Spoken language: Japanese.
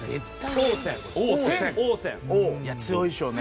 強いでしょうね．